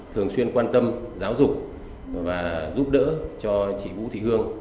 thường xuyên quan tâm giáo dục và giúp đỡ cho chị vũ thị hương